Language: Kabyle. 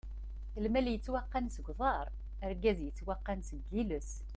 Lmal yettwaqqan seg uḍaṛ, argaz yettwaqqan seg iles!